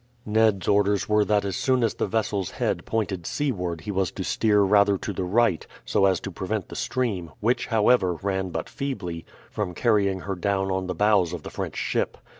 Ned's orders were that as soon as the vessel's head pointed seaward he was to steer rather to the right, so as to prevent the stream, which, however, ran but feebly, from carrying her down on the bows of the French ship.